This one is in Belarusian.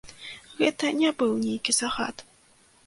Гэта не быў нейкі загад.